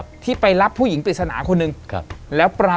ได้หรอ